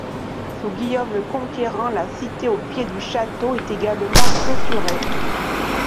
Sous Guillaume le Conquérant, la cité au pied du château est également clôturée.